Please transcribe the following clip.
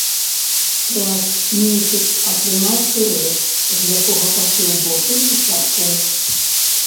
Праз месяц атрымаў сырэц, з якога пашыў боты і шапку.